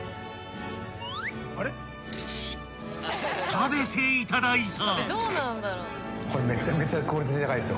［食べていただいた］